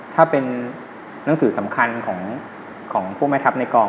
ถ้าเป็นหนังสือสำคัญของพวกแม่ทัพในกอง